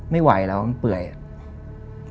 ไม่ไหวแล้วมันเปื่อยอะ